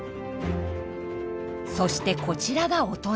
そしてこちらが大人。